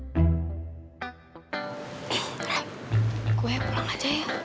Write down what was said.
eh gue pulang aja ya